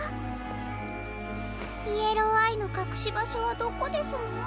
イエローアイのかくしばしょはどこですの？